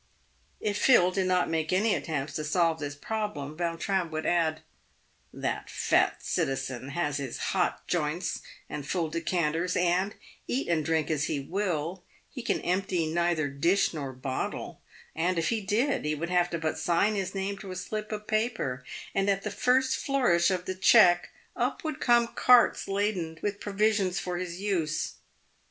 If Phil did not make any attempts to solve this problem, Vautrin would add, " That fat citizen has his hot joints and full decanters, and, eat and drink as he will, he can empty neither dish nor bottle ; and, if he did, he would have but to sign his name to a slip of paper, and at the first flourish of the cheque, up would come carts laden with provisions for his use.